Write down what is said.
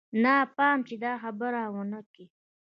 نه پام چې دا خبره ونه کې.